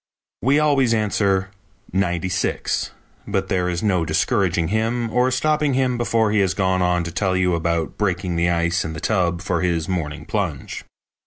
We always answer, "Ninety six," but there is no discouraging him or stopping him before he has gone on to tell you about breaking the ice in the tub for his morning plunge.